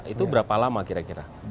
itu berapa lama kira kira